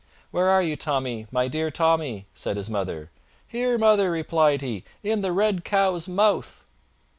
"Where are you, Tommy, my dear Tommy?" said his mother. "Here, mother," replied he, "in the red cow's mouth."